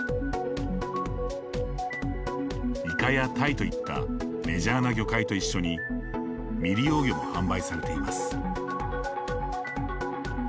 いかやタイといったメジャーな魚介と一緒に未利用魚も販売されています。